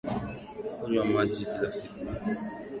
Kunywa maji kila siku